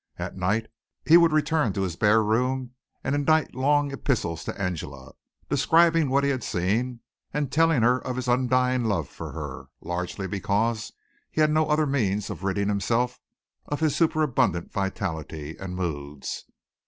At night he would return to his bare room and indite long epistles to Angela, describing what he had seen and telling her of his undying love for her largely because he had no other means of ridding himself of his superabundant vitality and moods.